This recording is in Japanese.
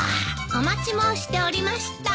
お待ち申しておりました。